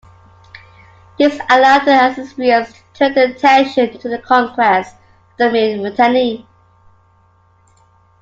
This allowed the Assyrians to turn their attention to the conquest of the Mitanni.